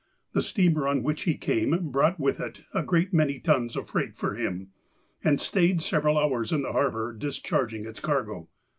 The steamer on which he came brought with it a great many tons of freight for him, and stayed several hours in the harbour dis charging its cargo.